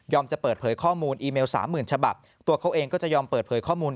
จะเปิดเผยข้อมูลอีเมลสามหมื่นฉบับตัวเขาเองก็จะยอมเปิดเผยข้อมูล